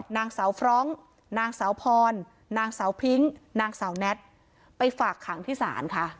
นางสาวฟร้องนางสาวพรนางสาวพิ้งนางสาวแน็ตไปฝากขังที่ศาลค่ะ